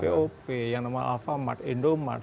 pengembangan ppop yang namanya alfamart indomart